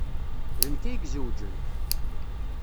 D nekk ay izewjen.